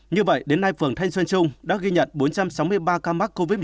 như vậy đến nay phường thanh xuân trung đã ghi nhận bốn trăm sáu mươi ba ca mắc covid một mươi